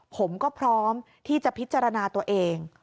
ผมก็พร้อมที่จะพิจารณาตัวเอง